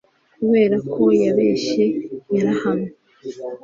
kubera ko yabeshye, yarahanwe